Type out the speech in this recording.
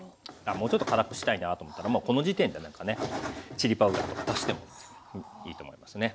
もうちょっと辛くしたいなぁと思ったらこの時点でなんかねチリパウダーとか足してもいいと思いますね。